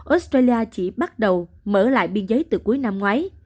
australia chỉ bắt đầu mở lại biên giới từ cuối năm ngoái